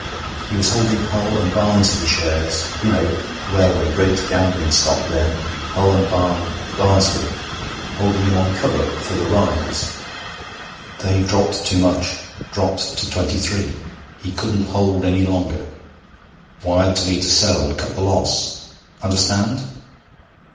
He was holding Hull and Barnsley shares ... you know, railway ... great gambling stock, then, Hull and Barn Barnsley. Holding them on cover; for the rise.... They dropped too much dropped to 23.... He couldn't hold any longer ... wired to me to sell and cut the loss. Understand?'